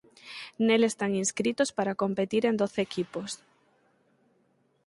Nel están inscritos para competiren doce equipos.